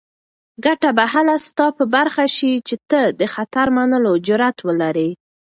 ګټه به هله ستا په برخه شي چې ته د خطر منلو جرات ولرې.